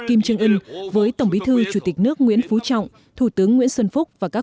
kim trương ưn với tổng bí thư chủ tịch nước nguyễn phú trọng thủ tướng nguyễn xuân phúc và các